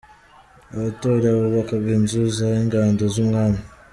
Abatora : Bubakaga inzu z’ ingando z’ Umwami.